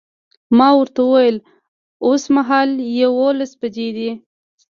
ما ورته وویل اوسمهال یوولس بجې دي.